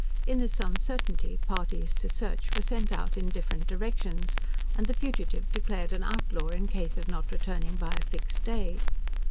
In this uncertainty, parties to search were sent out in different directions; and the fugitive declared an outlaw, in case of not returning by a fixed day.